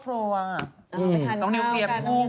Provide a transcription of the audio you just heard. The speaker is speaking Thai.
ประกันตัวไหม